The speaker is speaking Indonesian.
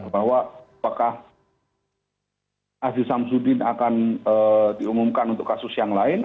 bahwa apakah aziz samsudin akan diumumkan untuk kasus yang lain